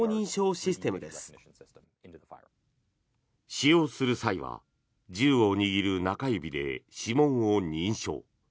使用する際は銃を握る中指で指紋を認証。